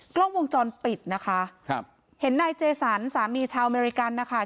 กล้องวงจรปิดนะคะครับเห็นนายเจสันสามีชาวอเมริกันนะคะ